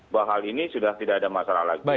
bahwa hal ini sudah tidak ada masalah lagi